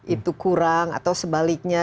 itu kurang atau sebaliknya